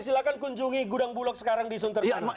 silahkan kunjungi gudang bulog sekarang di suntertain